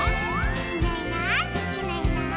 「いないいないいないいない」